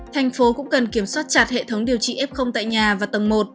thành phố cũng cần kiểm soát chặt hệ thống điều trị f tại nhà và tầng một